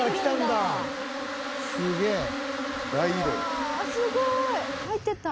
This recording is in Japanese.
「うわすごい！入っていった」